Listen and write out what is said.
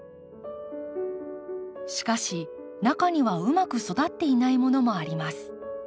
しかし中にはうまく育っていないものもあります。